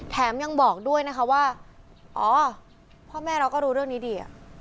แถมยังบอกด้วยนะคะว่าอ๋อพ่อแม่เราก็รู้เรื่องนี้ดี